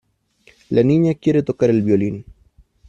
La niña quiere tocar el violín.